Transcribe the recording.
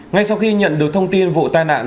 ngay sau khi nhận được thông tin vụ tai nạn